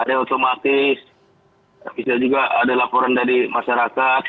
ada otomatis bisa juga ada laporan dari masyarakat